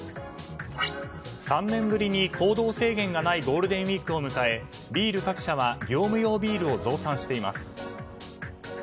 ３年ぶりに行動制限がないゴールデンウィークを迎えビール各社は業務用ビールを増産しています。